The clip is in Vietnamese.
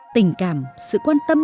tình cảm sự quan tâm